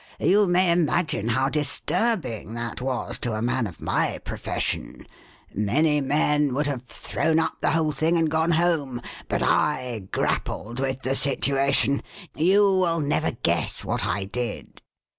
You may imagine how disturbing that was to a man of my profession. Many men would have thrown up the whole thing and gone home. But I grappled with the situation. You will never guess what I did."